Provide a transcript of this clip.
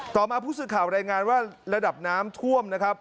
มาผู้สื่อข่าวรายงานว่าระดับน้ำท่วมนะครับ